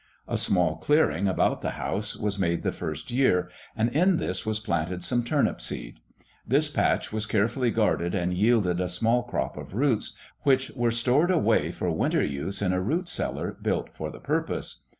A small clearing about the house was made the first year, and in this was planted some turnip seed. This patch was carefully guarded and yielded a small crop of roots, which were stored away for winter use in a root cellar built for the purpose.